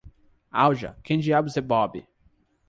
Alja, quem diabos é Bob?